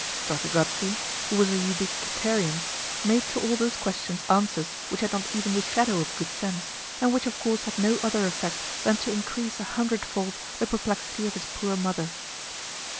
Doctor Gozzi, who was an ubiquitarian, made to all those questions answers which had not even the shadow of good sense, and which of course had no other effect than to increase a hundred fold the perplexity of his poor mother.